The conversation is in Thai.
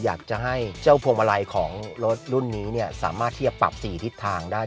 อยากจะให้เจ้าพวงมาลัยของรถรุ่นนี้สามารถที่จะปรับ๔ทิศทางได้